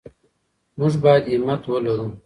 موږ باید همت ولرو.